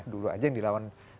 dulu aja yang dilawan